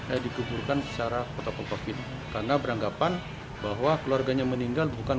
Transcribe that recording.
eh dikuburkan secara protokol covid karena beranggapan bahwa keluarganya meninggal bukan